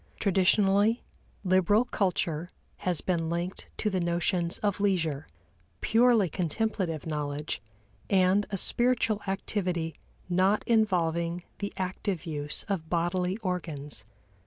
Traditionally, liberal culture has been linked to the notions of leisure, purely contemplative knowledge and a spiritual activity not involving the active use of bodily organs.